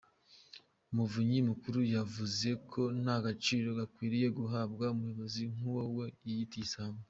Umuvunyi Mukuru yavuze ko nta gaciro gakwiriye guhabwa umuyobozi nk’uwo we yita ‘Igisambo’.